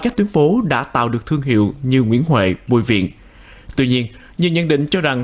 các tuyến phố đã tạo được thương hiệu như nguyễn huệ bùi viện tuy nhiên nhiều nhận định cho rằng